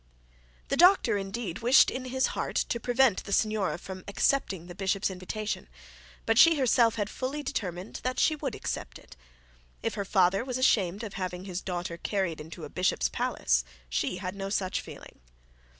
The doctor indeed wished in his heart to prevent the signora from accepting the bishop's invitation; but she herself had fully determined that she would accept it. If her father was ashamed of having his daughter carried into a bishop's palace, she had no such feeling.